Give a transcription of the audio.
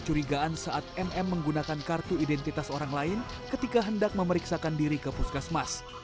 kecurigaan saat mm menggunakan kartu identitas orang lain ketika hendak memeriksakan diri ke puskesmas